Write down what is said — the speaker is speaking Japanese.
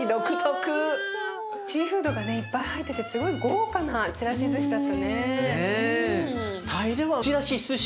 シーフードがねいっぱい入っててすごい豪華なちらしずしだったね。